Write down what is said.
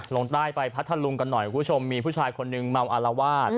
ลงใต้ไปพัทธลุงกันหน่อยคุณผู้ชมมีผู้ชายคนหนึ่งเมาอารวาส